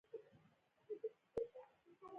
امریکایان تر ایټالویانو ډېر ناوړه او بد دي.